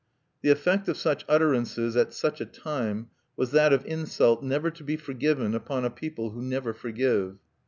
The effect of such utterances at such a time was that of insult never to be forgiven upon a people who never forgive.